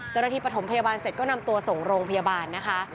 ประถมพยาบาลเสร็จก็นำตัวส่งโรงพยาบาลนะคะ